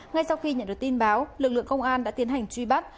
ngay sau khi nhận được tin báo lực lượng công an đã tiến hành truy bắt